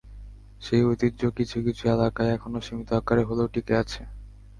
সেই ঐতিহ্য কিছু কিছু এলাকায় এখনো সীমিত আকারে হলেও টিকে আছে।